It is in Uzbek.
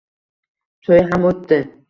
To`y ham o`tdi